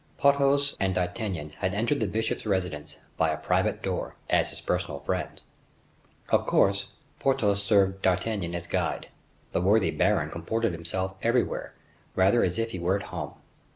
Porthos and D'Artagnan had entered the bishop's residence by a private door, as his personal friends. Of course, Porthos served D'Artagnan as guide. The worthy baron comported himself everywhere rather as if he were at home.